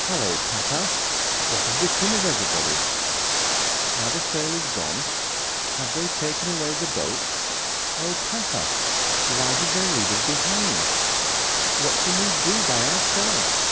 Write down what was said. "Hallo, papa! what has become of everybody? Are the sailors gone? Have they taken away the boats? Oh, papa! why did they leave us behind? What can we do by ourselves?"